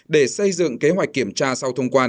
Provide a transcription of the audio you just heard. để xây dựng kế hoạch kiểm tra sau thông quan